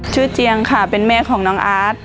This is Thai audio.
เจียงค่ะเป็นแม่ของน้องอาร์ต